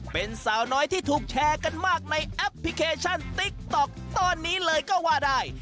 เป็นสาวน้อยที่ถูกแชร์กันมากในแอปพลิเคชันติ๊กต๊อกตอนนี้เลยก็ว่าได้